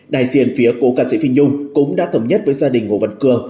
đại diện phía cổ ca sĩ phi nhung cũng đã thầm nhất với gia đình hồ văn cường